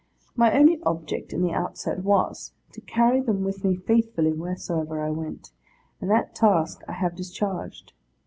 My only object in the outset, was, to carry them with me faithfully wheresoever I went: and that task I have discharged.